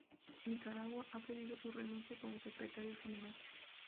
Nicaragua ha pedido su renuncia como Secretario General.